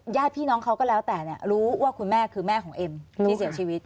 ญาติพี่น้องเขาก็แล้วแต่เนี่ยรู้ว่าคุณแม่คือแม่ของเอ็มที่เสียชีวิต